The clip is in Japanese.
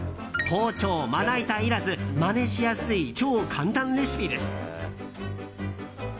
包丁、まな板いらずまねしやすい超簡単レシピです。